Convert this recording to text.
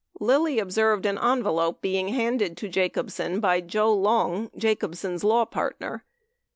Lilly observed an envelope being handed to Jacobsen by Joe Long, Jacobsen's law partner.